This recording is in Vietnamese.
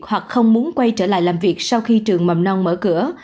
hoặc không muốn quay trở lại làm việc sau khi trường mầm non mở cửa